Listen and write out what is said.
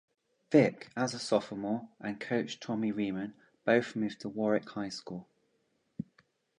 Vick, as a sophomore, and coach Tommy Reamon both moved to Warwick High School.